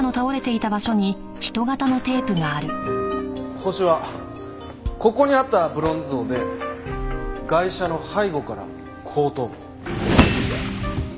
ホシはここにあったブロンズ像でガイシャの背後から後頭部を。